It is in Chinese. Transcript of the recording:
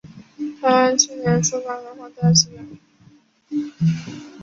台湾由青文出版社代理出版漫画单行本。